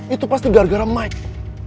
itu pasti gara gara mic